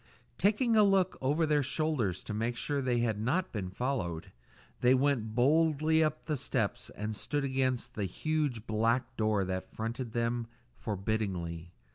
Taking a look over their shoulders to make sure they had not been followed, they went boldly up the steps and stood against the huge black door that fronted them forbiddingly.